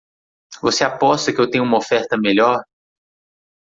Você aposta que eu tenho uma oferta melhor.